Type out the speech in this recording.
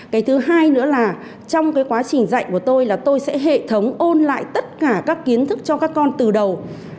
cái thứ hai nữa là trong cái quá trình dạy của tôi là tôi sẽ hệ thống ôn lại tất cả các kiến thức cho các con từ đầu